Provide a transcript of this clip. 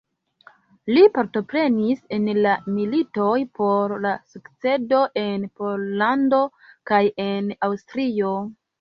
Li partoprenis en la militoj por la sukcedo en Pollando kaj en Aŭstrio.